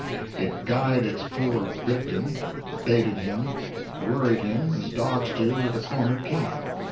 It guyed its poor victim, baited him, worried him, as dogs do with a cornered cat.